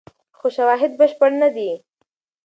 خو شواهد بشپړ نه دي.